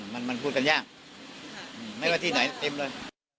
มันพูดกันยากไม่ว่าที่ไหนเต็มเลย